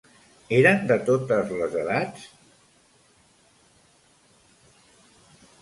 Eren de totes les edats?